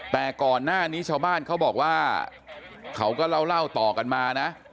แต่ก่อนหน้านี้ชาวบ้านเขาบอกว่าเขาก็เล่าต่อกันมานะ